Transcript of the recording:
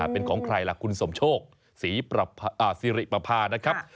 เป็นของใครล่ะคุณสมโชคศรีสิริปภานะครับ